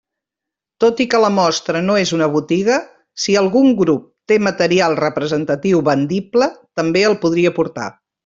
Tot i que la mostra no és una botiga, si algun grup té material representatiu vendible, també el podria portar.